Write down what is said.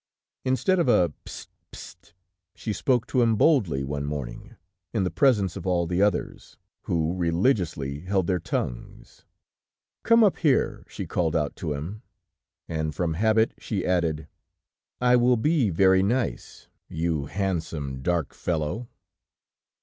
Instead of a p'st, p'st, she spoke to him boldly one morning, in the presence of all the others, who religiously held their tongues. "Come up here," she called out to him, and from habit she added: "I will be very nice, you handsome dark fellow."